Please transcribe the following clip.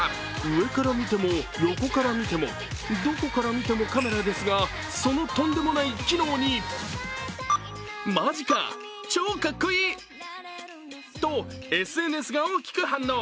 上から見ても横から見ても、どこから見てもカメラですが、そのとんでもない機能にと、ＳＮＳが大きく反応。